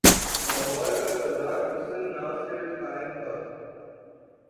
لاہور کا بازار حسن نہ صرف قائم تھا۔